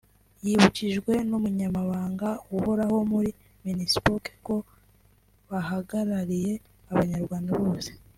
yibukijwe n’umunyamabanga uhoraho muri Minispoc ko bahagarariye abanyarwanda bose